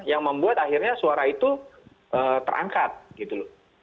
yang membuat akhirnya suara itu terangkat gitu loh